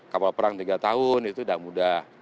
kapal perang tiga tahun itu tidak mudah